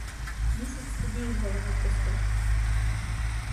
Місяць тоді й голову опустив.